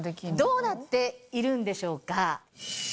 どうなっているんでしょうか？